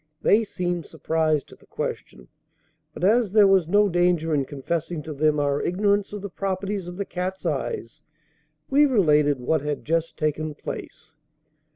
They seemed surprised at the question, but as there was no danger in confessing to them our ignorance of the properties of the cat's eyes, we related what had just taken place.